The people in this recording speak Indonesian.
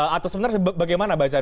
atau sebenarnya bagaimana bacaan